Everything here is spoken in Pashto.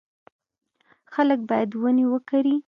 خلک باید ونې وکري.